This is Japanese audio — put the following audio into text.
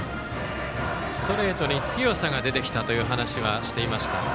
ストレートに強さが出てきたという話はしていました。